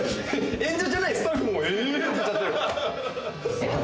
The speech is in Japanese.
演者じゃないスタッフも「え！」って言ってる。